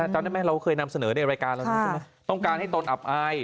จำได้ไหมเราเคยนำเสนอในรายการเราใช่ไหมต้องการให้ตนอับอาย